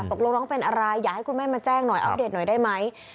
ตกลงน้องเป็นอะไรอยากให้คุณแม่มาแจ้งหน่อยอัปเดตหน่อยได้ไหม